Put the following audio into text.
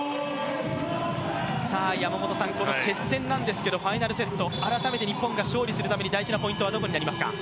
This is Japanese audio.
この接戦なんですけどファイナルセット改めて、日本が勝利するために大事なポイントはどこですかね。